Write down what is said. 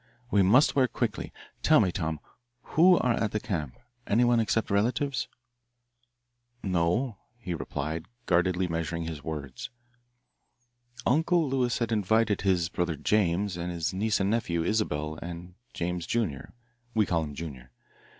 We must work quickly. Tell me, Tom, who are at the camp anyone except relatives?" "No," he replied, guardedly measuring his words. "Uncle Lewis had invited his brother James and his niece and nephew, Isabelle and James, junior we call him Junior.